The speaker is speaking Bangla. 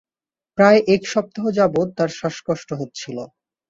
প্রায় এক সপ্তাহ যাবৎ তার শ্বাসকষ্ট হচ্ছিল।